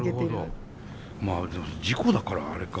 まあでも事故だからあれか。